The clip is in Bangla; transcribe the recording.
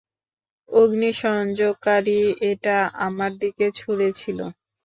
অগ্নিসংযোগকারী এটা আমার দিকে ছুড়েছিল।